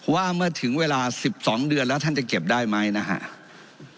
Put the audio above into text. ว่าเมื่อถึงเวลา๑๒เดือนแล้วท่านจะเก็บได้ไหมนะครับ